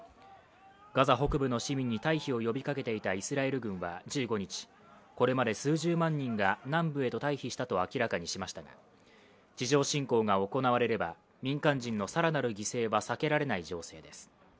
ガザ北部の市民に退避を呼びかけていたイスラエル軍は１５日、これまで数十万人が南部へ退避したと明らかにしましたが、地上侵攻が行われれば、民間人の更なる犠牲は避けられない情勢です。